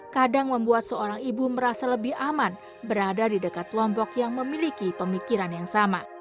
kadang membuat seorang ibu merasa lebih aman berada di dekat lombok yang memiliki pemikiran yang sama